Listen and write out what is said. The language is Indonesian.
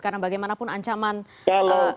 karena bagaimanapun ancaman hujan masih ada